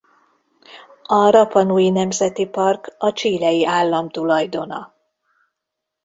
A Rapa Nui Nemzeti Park a chilei állam tulajdona.